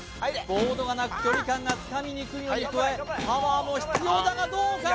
ボードがなく距離感がつかみにくいのに加えパワーも必要だがどうか？